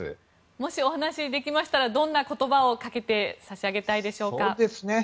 もしお話できましたらどんな言葉をかけてあげたいでしょうか。